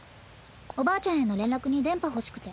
おばあちゃんへの連絡に電波欲しくて。